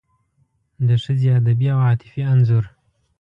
د ښځې ادبي او عاطفي انځور